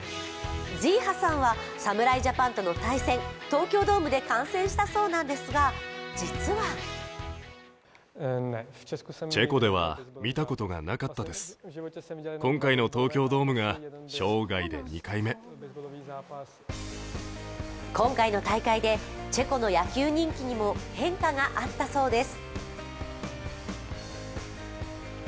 ズィーハさんは侍ジャパンとの対戦、東京ドームで観戦したそうなんですが、実は今回の大会でチェコの野球人気にも変化があったそうです。